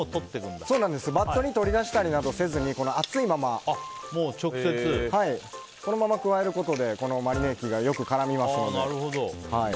バットに取り出したりせずに熱いまま加えることでマリネ液がよく絡みますので。